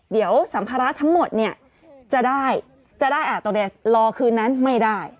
เดี๋ยวสัมภาระทั้งหมดเนี่ยจะได้จะได้ตรงนี้รอคืนนั้นไม่ได้